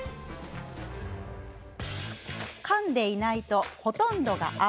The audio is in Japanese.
かんでいないと、ほとんどが青。